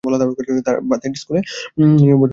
তাঁতের ইস্কুলে কাজ কাজের বিড়ম্বনামাত্র, তাহাতে মন ভরে না।